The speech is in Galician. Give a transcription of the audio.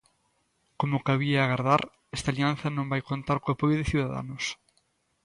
Como cabía agardar, esta alianza non vai contar co apoio de Ciudadanos.